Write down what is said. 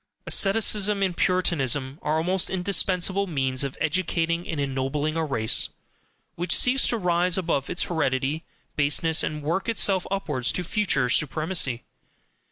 Asceticism and Puritanism are almost indispensable means of educating and ennobling a race which seeks to rise above its hereditary baseness and work itself upwards to future supremacy.